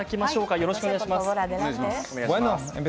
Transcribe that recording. よろしくお願いします。